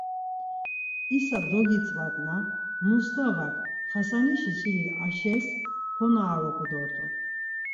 İsa dogitzvatna Mustavak Xasanişi çili Aşes konaoropu dort̆un.